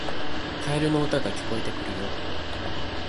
カエルの歌が聞こえてくるよ